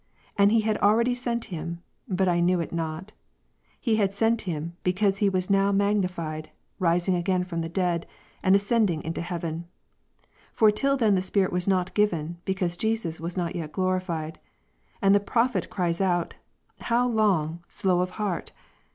And He had already sent Him, but I knew it not; 1 — 4. He had sent Him, because He was now magnified, rising again from the dead, and ascending into heaven. For till John 7, then, the Spirit was not yet given, because Jesus was not yet glorified. And the prophet cries out. How long, slow of heart